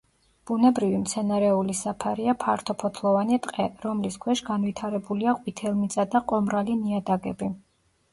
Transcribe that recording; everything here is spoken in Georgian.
ბუნებრივი მცენარეული საფარია ფართოფოთლოვანი ტყე, რომლის ქვეშ განვითარებულია ყვითელმიწა და ყომრალი ნიადაგები.